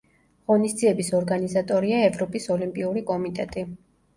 ღონისძიების ორგანიზატორია ევროპის ოლიმპიური კომიტეტი.